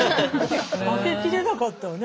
化け切れなかったわね